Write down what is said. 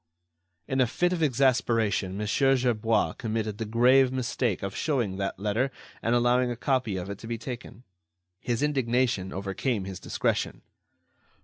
In a fit of exasperation Mon. Gerbois committed the grave mistake of showing that letter and allowing a copy of it to be taken. His indignation overcame his discretion.